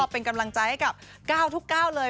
เป็นกำลังใจกับเก้าทุกเก้าเลย